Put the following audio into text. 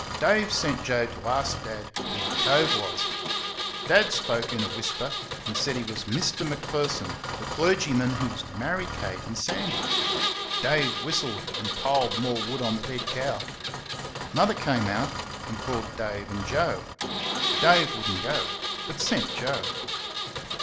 Dave sent Joe to ask Dad who the cove was. Dad spoke in a whisper and said he was Mr. Macpherson, the clergyman who was to marry Kate and Sandy. Dave whistled and piled more wood on the dead cow. Mother came out and called Dave and Joe. Dave would n't go, but sent Joe.